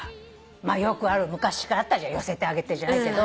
よくある昔からあったじゃん寄せて上げてじゃないけど。